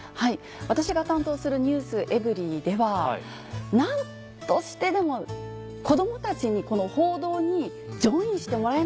私が担当する『ｎｅｗｓｅｖｅｒｙ．』では何としてでも子どもたちにこの報道にジョインしてもらえないかと。